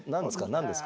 何ですか？